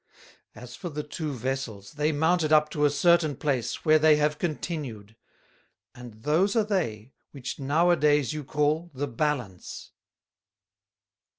As for the two Vessels, they mounted up to a certain place, where they have continued: And those are they, which now a days you call the Balance.